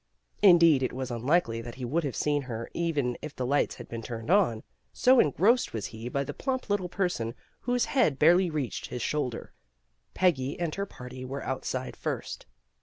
Indeed it was unlikely that he would have seen her even if the lights had been turned on, so engrossed was he by the plump little person whose head barely reached his shoulder. Peggy and her party were outside first.